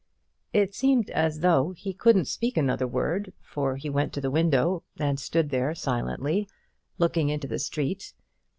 It seemed as though he couldn't speak another word, for he went to the window and stood there silently, looking into the street.